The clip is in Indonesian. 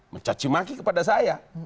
mencacimaki kepada saya